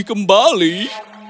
oh terima kasih